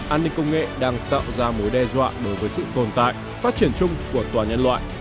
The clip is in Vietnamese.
an ninh công nghệ đang tạo ra mối đe dọa đối với sự tồn tại phát triển chung của tòa nhân loại